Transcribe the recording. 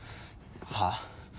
はあ？